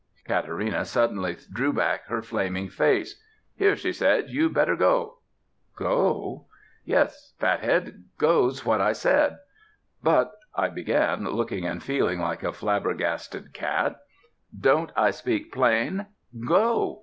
Katarina suddenly drew back her flaming face. "Here," she said, "you better go." "Go?" "Yes fathead! Go's what I said." "But " I began, looking and feeling like a flabbergasted cat. "Don't I speak plain? Go!"